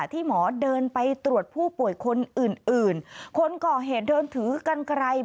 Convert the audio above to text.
ที่หมอเดินไปตรวจผู้ป่วยคนอื่นอื่นคนก่อเหตุเดินถือกันไกล